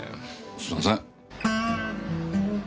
すいません。